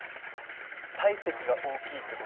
体積が大きいって事は。